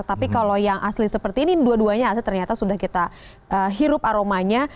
tapi kalau yang asli seperti ini dua duanya ternyata sudah kita hirup aromanya